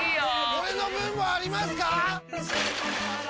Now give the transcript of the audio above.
俺の分もありますか！？